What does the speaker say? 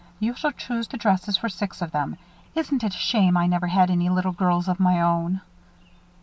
You shall choose the dresses for six of them. Isn't it a shame I never had any little girls of my own?"